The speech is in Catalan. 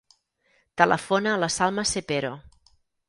Telefona a la Salma Cepero.